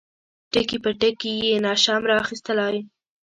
ټکي په ټکي یې نشم را اخیستلای.